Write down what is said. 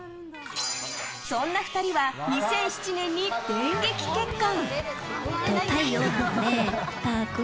そんな２人は２００７年に電撃結婚。